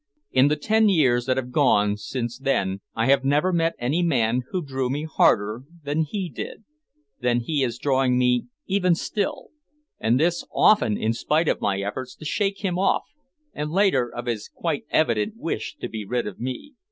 In the ten years that have gone since then I have never met any man who drew me harder than he did, than he is drawing me even still and this often in spite of my efforts to shake him off, and later of his quite evident wish to be rid of me.